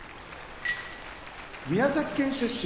宮崎県出身